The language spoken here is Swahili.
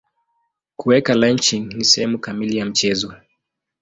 Kuweka lynching ni sehemu kamili ya mchezo.